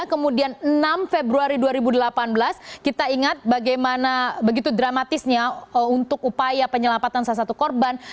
kemudian enam februari dua ribu delapan belas kita ingat bagaimana begitu dramatisnya untuk upaya penyelamatan salah satu korban